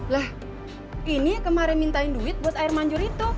lah ini kemarin mintain duit buat air mancur itu